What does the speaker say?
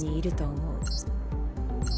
「思う」？